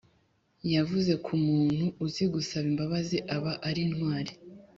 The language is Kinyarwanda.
yavuze ku umuntu uzi gusaba imbabazi aba ari intwari